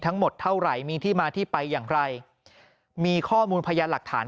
ทั้งหมดเท่าไหร่มีที่มาที่ไปอย่างไรมีข้อมูลพยานหลักฐาน